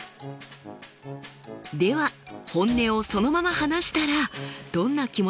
では本音をそのまま話したらどんな気持ちになるんでしょうか？